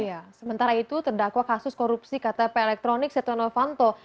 iya sementara itu terdakwa kasus korupsi ktp elektronik setia novanto